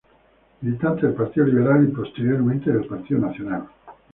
Militante del Partido Liberal y posteriormente del Partido Nacional.